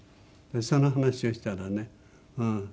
その話をしたらね